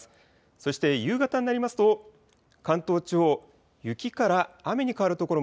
そして夕方になりますと関東地方、雪から雨に変わる所も